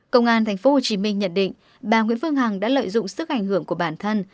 công an tp hcm nhận định bà nguyễn phương hằng đã lợi dụng sức ảnh hưởng của bản thân